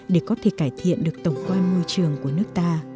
để có thể cải thiện được tổng quan môi trường của nước ta